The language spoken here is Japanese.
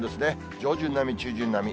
上旬並み、中旬並み。